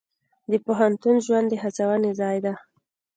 د پوهنتون ژوند د هڅونې ځای دی.